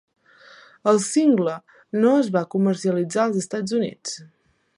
El single no es va comercialitzar als Estats Units.